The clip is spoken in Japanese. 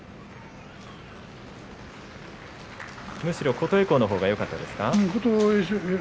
むしろ琴恵光のほうがよかったですか。